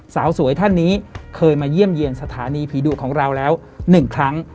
สาวสวยท่านนี้เคยมาเยี่ยมเยี่ยมสถานีผีดุของเราแล้ว๑ครั้ง